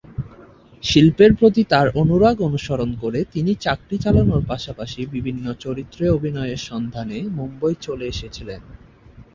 শিল্পের প্রতি তাঁর অনুরাগ অনুসরণ করে, তিনি চাকরি চালানোর পাশাপাশি বিভিন্ন চরিত্রে অভিনয়ের সন্ধানে মুম্বই চলে এসেছিলেন।